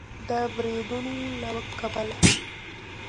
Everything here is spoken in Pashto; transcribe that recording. د بریدونو له کبله